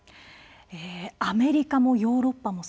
アメリカもヨーロッパ